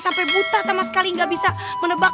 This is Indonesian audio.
sampai buta sama sekali nggak bisa menebak